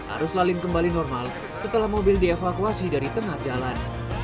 arus lalin kembali normal setelah mobil dievakuasi dari tengah jalan